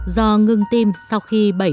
do ngưng tim sau khi bảy bệnh